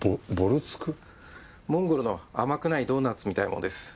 モンゴルの甘くないドーナツみたいなものです。